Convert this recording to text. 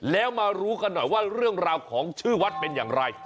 แล้วมารู้กันหน่อยว่าเรื่องราวของชื่อวัดเป็นอย่างไร